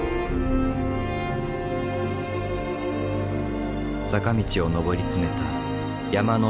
坂道を上り詰めた山の頂上付近。